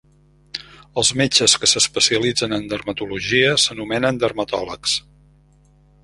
Els metges que s'especialitzen en dermatologia s'anomenen dermatòlegs.